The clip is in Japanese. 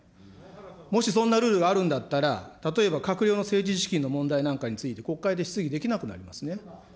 もし、そんなルールがあるんだったら、例えば、閣僚の政治資金の問題について国会で質疑できなくなりますね。